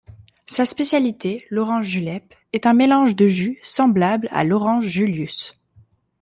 Sa spécialité, l'Orange Julep, est un mélange de jus semblable à l'Orange Julius.